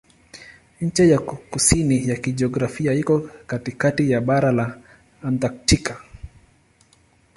Ncha ya kusini ya kijiografia iko katikati ya bara la Antaktiki.